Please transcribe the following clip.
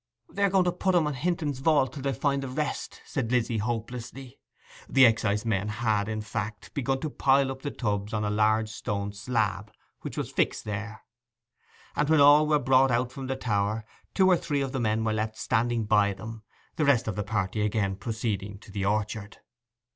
'They are going to put 'em on Hinton's vault till they find the rest!' said Lizzy hopelessly. The excisemen had, in fact, begun to pile up the tubs on a large stone slab which was fixed there; and when all were brought out from the tower, two or three of the men were left standing by them, the rest of the party again proceeding to the orchard.